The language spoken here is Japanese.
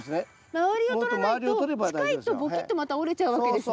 周りをとらないと近いとボキッてまた折れちゃうわけですね。